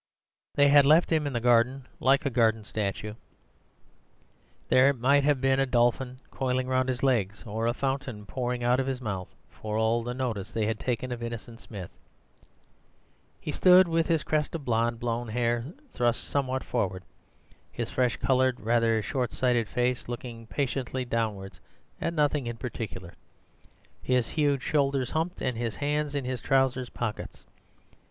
They had left him in the garden like a garden statue; there might have been a dolphin coiling round his legs, or a fountain pouring out of his mouth, for all the notice they had taken of Innocent Smith. He stood with his crest of blonde, blown hair thrust somewhat forward, his fresh coloured, rather short sighted face looking patiently downwards at nothing in particular, his huge shoulders humped, and his hands in his trousers pockets.